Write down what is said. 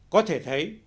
có thể thấy